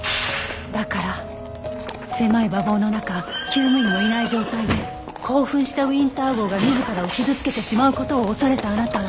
だから狭い馬房の中厩務員もいない状態で興奮したウィンター号が自らを傷つけてしまう事を恐れたあなたは。